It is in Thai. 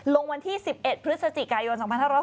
ลงวันที่๑๑พฤศจิกายน๒๕๖๐